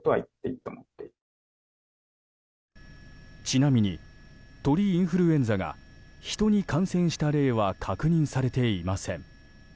ちなみに、鳥インフルエンザがヒトに感染した例は確認されていません。